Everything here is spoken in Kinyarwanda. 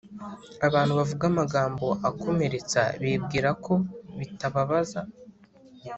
abantu bavuga amagambo akomeretsa bibwira ko bitababaza